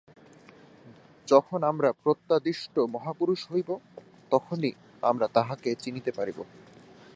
যখন আমরা প্রত্যাদিষ্ট মহাপুরুষ হইব, তখনই আমরা তাঁহাকে চিনিতে পারিব।